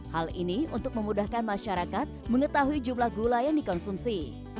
hal ini untuk memudahkan masyarakat mengetahui jumlah gula yang dikonsumsi